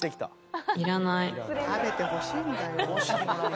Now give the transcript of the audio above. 「食べてほしいんだよ」